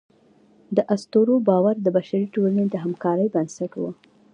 د اسطورو باور د بشري ټولنې د همکارۍ بنسټ و.